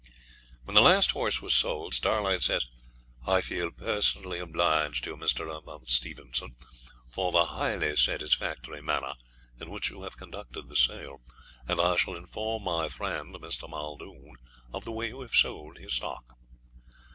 When the last horse was sold, Starlight says, 'I feel personally obliged to you, Mr. aw Stevenson faw the highly satisfactory manner in which you have conducted the sale, and I shall inform my friend, Mr. Muldoon, of the way you have sold his stock.'